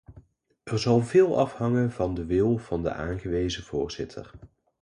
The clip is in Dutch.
Er zal veel afhangen van de wil van de aangewezen voorzitter.